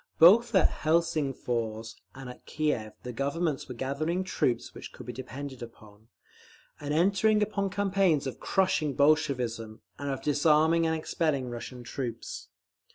Both at Helsingfors and at Kiev the Governments were gathering troops which could be depended upon, and entering upon campaigns of crushing Bolshevism, and of disarming and expelling Russian troops.